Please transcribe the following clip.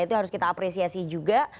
itu harus kita apresiasi juga